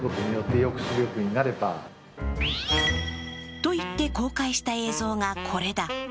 と言って公開した映像が、これだ。